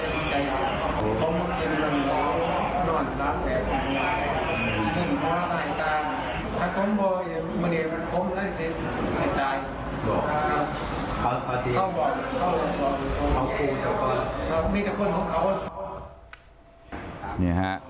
นี่เฮ้า